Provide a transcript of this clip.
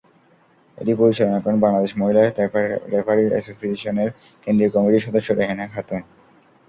এটি পরিচালনা করেন বাংলাদেশ মহিলা রেফারি অ্যাসোসিয়েশনের কেন্দ্রীয় কমিটির সদস্য রেহেনা খাতুন।